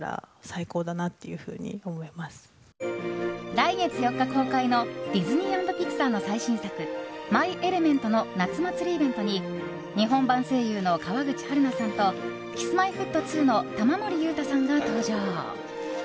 来月４日公開のディズニー＆ピクサーの最新作「マイ・エレメント」の夏祭りイベントに日本版声優の川口春奈さんとＫｉｓ‐Ｍｙ‐Ｆｔ２の玉森裕太さんが登場。